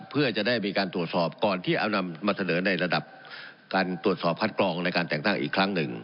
เพื่อจะได้มีการตรวจสอบก่อนที่เอานำมาเสนอในระดับการตรวจสอบคัดกรองในการแต่งตั้งอีกครั้งหนึ่ง